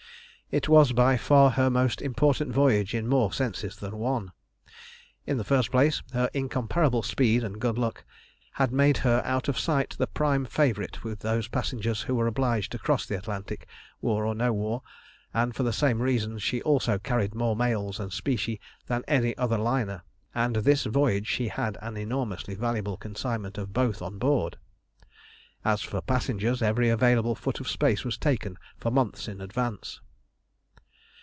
It was by far her most important voyage in more senses than one. In the first place, her incomparable speed and good luck had made her out of sight the prime favourite with those passengers who were obliged to cross the Atlantic, war or no war, and for the same reasons she also carried more mails and specie than any other liner, and this voyage she had an enormously valuable consignment of both on board. As for passengers, every available foot of space was taken for months in advance.